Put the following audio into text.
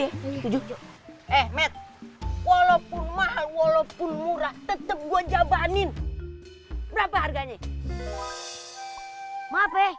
tujuh tujuh eh matt walaupun mahal walaupun murah tetep gua jabanin berapa harganya maaf eh